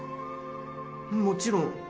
もちろん。